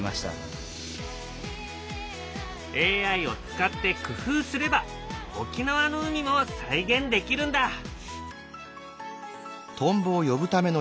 ＡＩを使って工夫すれば沖縄の海も再現できるんだ。